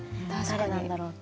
誰なんだろう。